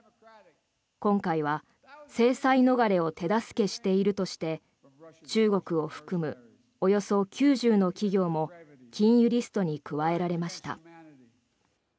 今回は制裁逃れを手助けしているとして中国を含むおよそ９０の企業も禁輸リストに加えられました。